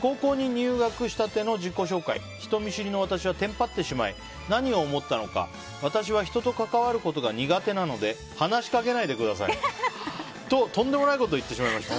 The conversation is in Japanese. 高校に入学したての自己紹介人見知りの私はテンパってしまい何を思ったのか私は人と関わることが苦手なので話しかけないでくださいととんでもないことを言ってしまいました。